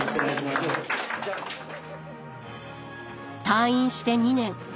退院して２年。